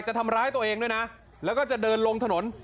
จะทำร้ายตัวเองด้วยนะแล้วก็จะเดินลงถนน